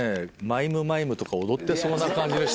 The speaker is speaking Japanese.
『マイム・マイム』とか踊ってそうな感じの。